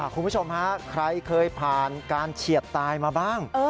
คุณผู้ชมฮะใครเคยผ่านการเฉียดตายมาบ้าง